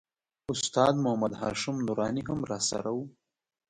استاد محمد هاشم نوراني هم راسره و.